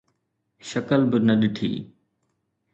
شڪل به نه ڏٺي